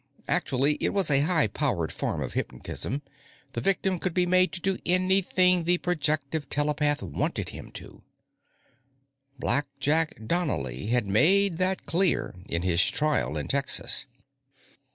Actually, it was a high powered form of hypnotism; the victim could be made to do anything the projective telepath wanted him to. "Blackjack" Donnely had made that clear in his trial in Texas.